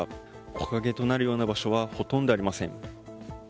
木陰となるような場所はほとんどありません。